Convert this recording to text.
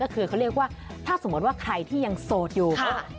ก็คือเขาเรียกว่าถ้าสมมติว่าใครที่ยังโสดอยู่